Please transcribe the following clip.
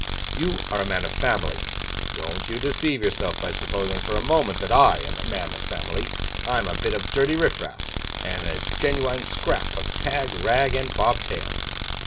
You are a man of family. Don't you deceive yourself by supposing for a moment that I am a man of family. I am a bit of dirty riff raff, and a genuine scrap of tag, rag, and bobtail.